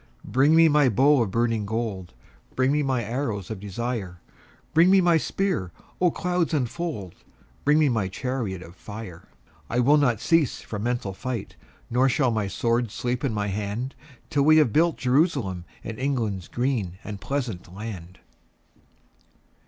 Bring me my bow of burning gold: Bring me my arrows of desire: Bring me my spear: O clouds unfold! Bring me my chariot of fire. I will not cease from mental fight, Nor shall my sword sleep in my hand Till we have built Jerusalem In England's green and pleasant land.